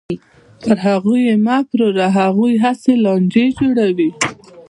پر هغوی یې مه پلوره، هغوی هسې لانجې جوړوي.